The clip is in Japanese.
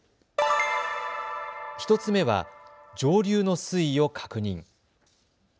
１つ目は上流の水位を確認。